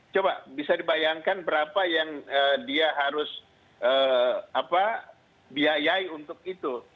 coba bisa dibayangkan berapa yang dia harus biayai untuk itu